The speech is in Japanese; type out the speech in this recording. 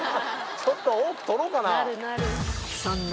ちょっと多く取ろうかな。